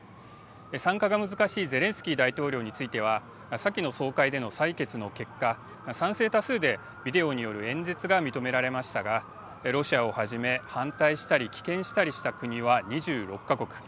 参加が難しいゼレンスキー大統領については先の総会での採決の結果賛成多数でビデオによる演説が認められましたがロシアをはじめ反対したり棄権したりした国は２６か国。